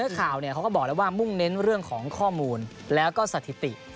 เป้าหมายที่เค้าบอกมูกเน้นเรื่องของข้อมูลและก็สถิติ